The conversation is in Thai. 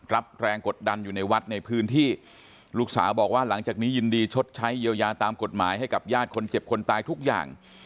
รับแรงกดดันอยู่ในวัดในพื้นที่ลูกสาวบอกว่าหลังจากนี้ยินดีชดใช้เยียวยาตามกฎหมายให้กับญาติคนเจ็บคนตายทุกอย่าง